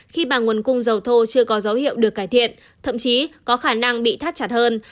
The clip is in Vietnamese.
khi mà nguồn cung dầu thô chưa có dấu hiệu được cải thiện thậm chí có khả năng bị thắt chặt hơn